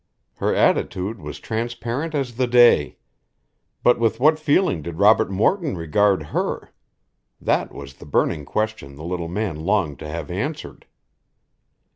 Her attitude was transparent as the day. But with what feeling did Robert Morton regard her? That was the burning question the little man longed to have answered.